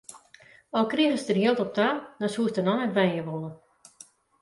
Al krigest der jild op ta, dan soest der noch net wenje wolle.